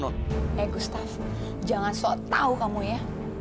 eh gustaf jangan sok tau kamu ya